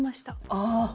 ああ。